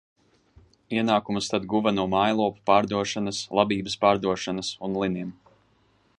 Ienākumus tad guva no mājlopu pārdošanas, labības pārdošanas un liniem.